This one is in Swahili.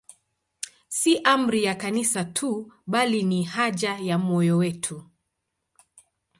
Si amri ya Kanisa tu, bali ni haja ya moyo wetu.